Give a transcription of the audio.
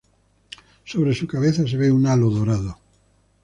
Sobre su cabeza se ve un halo dorado.